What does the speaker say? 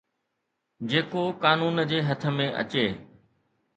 جيڪو قانون جي هٿ ۾ اچي